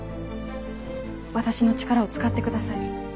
私の力を使ってください。